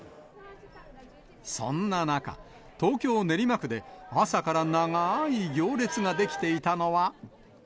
そんな中、東京・練馬区で朝から長ーい行列が出来ていたのは。